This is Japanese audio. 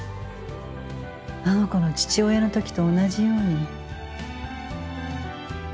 あの子の父親の時と同じように。